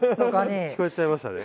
聞こえちゃいましたね。